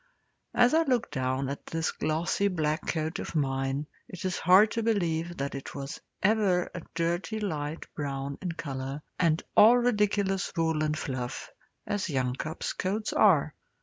As I look down at this glossy black coat of mine, it is hard to believe that it was ever a dirty light brown in colour, and all ridiculous wool and fluff, as young cubs' coats are.